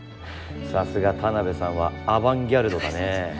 さすが田辺さんはアバンギャルドだね。